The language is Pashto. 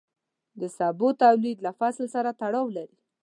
د سبو تولید له فصل سره تړاو لري.